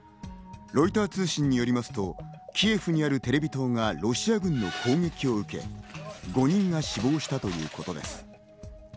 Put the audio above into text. ロイター通信によりますと、キエフにあるテレビ塔がロシア軍の攻撃を受け、５人が死亡したということです。